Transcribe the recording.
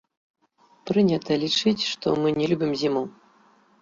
Прынята лічыць, што мы не любім зіму.